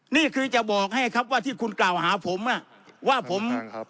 นี่คือจะบอกให้ครับว่าที่คุณกล่าวหาผมอ่ะว่าผมครับ